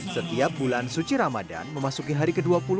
setiap bulan suci ramadan memasuki hari ke dua puluh